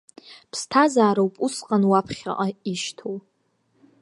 Ԥсҭазаароуп усҟан уаԥхьаҟа ишьҭоу.